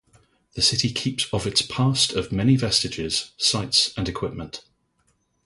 The city keeps of its past of many vestiges, sites and equipment.